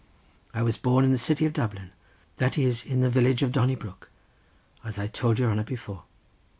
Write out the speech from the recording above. I was born in the city of Dublin, that is in the village of Donnybrook, as I tould your hanner before.